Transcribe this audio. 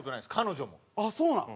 あっそうなん？